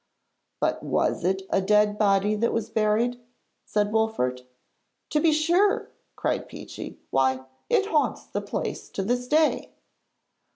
'But was it a dead body that was buried?' said Wolfert. 'To be sure,' cried Peechy. 'Why, it haunts the place to this day!'